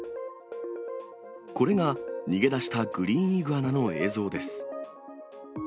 これが逃げ出したグリーンイグアナの映像です。